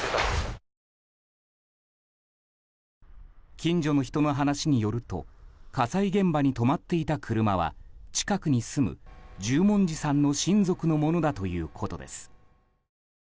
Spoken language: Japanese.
近所の人の話によると火災現場に止まっていた車は近くに住む、十文字さんの親族のものだということです。